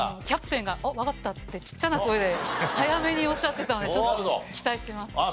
キャプテンが「わかった！」ってちっちゃな声で早めにおっしゃってたのでちょっと期待してます。